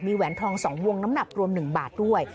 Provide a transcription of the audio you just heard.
แหวนทอง๒วงน้ำหนักรวม๑บาทด้วย